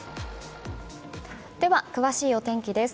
では詳しいお天気です。